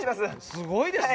すごいですね。